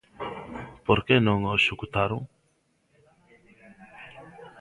¿Por que non o executaron?